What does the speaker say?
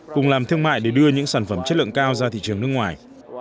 cùng làm thương mại để đưa những sản phẩm chất lượng cao ra thị trường nước ngoài